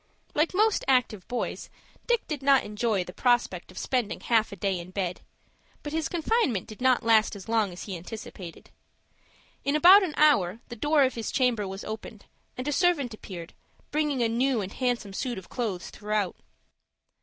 Like most active boys Dick did not enjoy the prospect of spending half a day in bed; but his confinement did not last as long as he anticipated. In about an hour the door of his chamber was opened, and a servant appeared, bringing a new and handsome suit of clothes throughout.